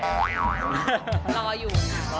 รออยู่